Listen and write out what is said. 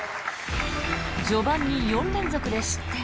序盤に４連続で失点。